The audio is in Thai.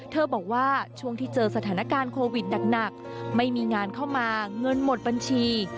บอกว่าช่วงที่เจอสถานการณ์โควิดหนักไม่มีงานเข้ามาเงินหมดบัญชี